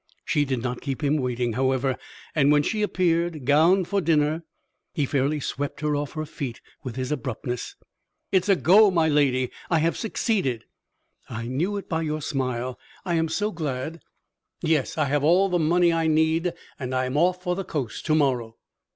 She did not keep him waiting, however, and when she appeared, gowned for dinner, he fairly swept her off her feet with his abruptness. "It's a go, my Lady; I have succeeded." "I knew it by your smile. I am so glad!" "Yes. I have all the money I need, and I am off for the Coast to morrow."